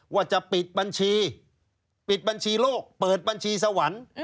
ว่าจะปิดบัญชีปิดบัญชีโลกเปิดบัญชีสวรรค์